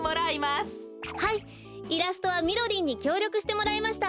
はいイラストはみろりんにきょうりょくしてもらいました。